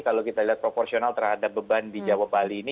kalau kita lihat proporsional terhadap beban di jawa bali ini